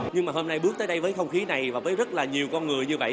nhưng mà hôm nay bước tới đây với không khí này và với rất là nhiều con người như vậy